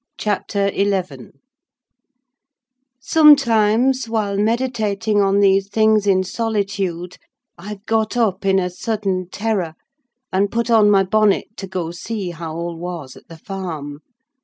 CHAPTER XI Sometimes, while meditating on these things in solitude, I've got up in a sudden terror, and put on my bonnet to go see how all was at the farm.